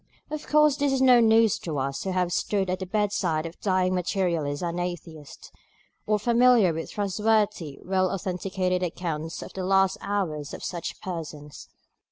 Of course this is no news to us who have stood at the bedside of dying Materialists and Atheists, or are familiar with trustworthy well authenticated accounts of the last hours of such persons.